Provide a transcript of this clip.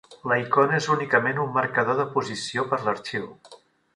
La icona és únicament un marcador de posició per l'arxiu.